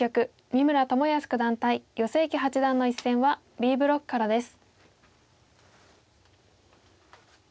三村智保九段対余正麒八段の一戦はＢブロックからです。